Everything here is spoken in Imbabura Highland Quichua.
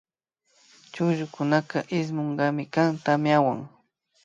Chukllukunaka ismushkami kan tamyawan